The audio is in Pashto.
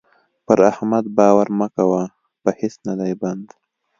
پر احمد باور مه کوه؛ په هيڅ نه دی بند.